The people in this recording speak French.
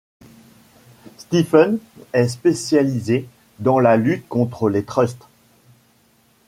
Stevens est spécialisé dans la lutte contre les trusts.